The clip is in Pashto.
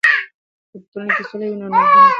که په ټولنه کې سوله وي، نو ژوند به خوشحاله وي.